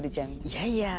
いやいや。